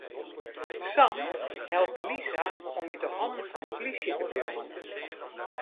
Sam helpt Lisa om út 'e hannen fan de polysje te bliuwen.